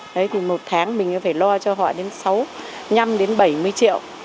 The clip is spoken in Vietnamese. đấy thì một tháng mình phải lo cho họ đến sáu năm đến bảy mươi triệu